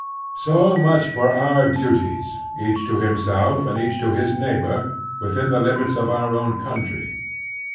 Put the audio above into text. So much for our duties, each to himself and each to his neighbor, within the limits of our own coun try.